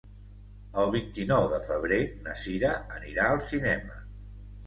El vint-i-nou de febrer na Sira anirà al cinema.